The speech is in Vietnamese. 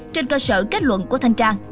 trên cơ sở kết luận của thành trang